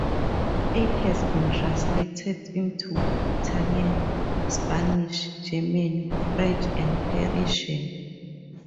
It has been translated into Italian, Spanish, German, French, and Persian.